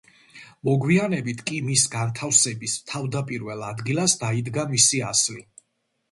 მოგვიანებით კი მის განთავსების თავდაპირველ ადგილას დაიდგა მისი ასლი.